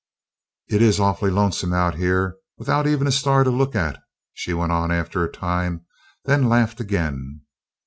"It is awfully lonesome out here, without even a star to look at," she went on, after a time, then laughed again.